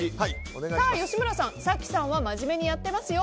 吉村さん、早紀さんは真面目にやってますよ！